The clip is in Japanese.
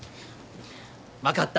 分かった。